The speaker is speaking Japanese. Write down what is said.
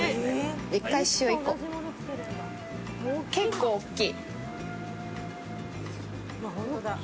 結構、大きい。